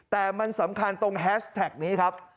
แต่มันสำคัญตรงแฮชแท็กนี้ครับ